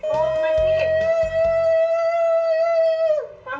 โอ๊คมาสิ